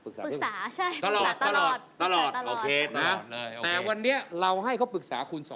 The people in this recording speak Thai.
ปรึกษาใช่ปรึกษาตลอด